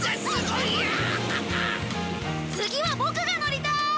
次はボクが乗りたい！